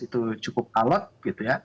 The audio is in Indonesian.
itu cukup alot gitu ya